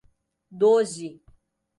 Doze